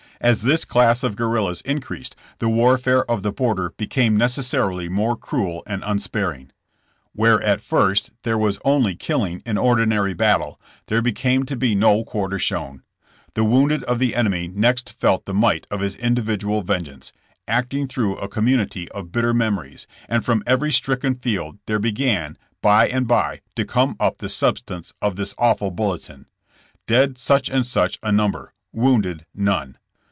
As this class of guerrillas increased, the warfare of the border became necessarily more cruel and unsparing. Where at first there was only killing in ordinary battle, there became t® be no 28 JKSSS JAMSS. quarter shown. The wounded of the enemy next felt the might of his individual vengeance — acting through a community of bitter memories — and from every stricken field there began, by and by, to come up the substance of this awful bulletin : Dead such and such a number, wounded none.